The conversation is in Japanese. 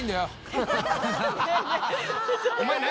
お前何？